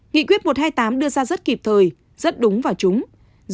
nghị quyết một trăm hai mươi tám đưa ra rất kịp thời rất đúng và trúng